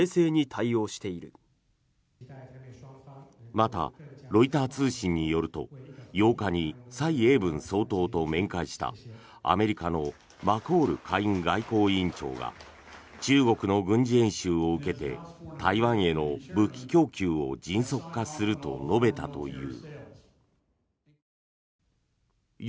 また、ロイター通信によると８日に蔡英文総統と面会したアメリカのマコール下院外交委員長が中国の軍事演習を受けて台湾への武器供給を迅速化すると述べたという。